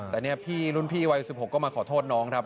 แต่เนี่ยพี่รุ่นพี่วัย๑๖ก็มาขอโทษน้องครับ